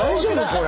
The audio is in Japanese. これ。